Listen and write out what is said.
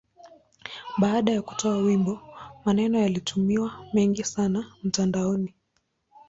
Baada ya kutoa wimbo, maneno yalikuwa mengi sana mtandaoni.